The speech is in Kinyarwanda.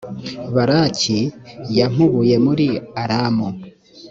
balaki yampubuye muri aramu.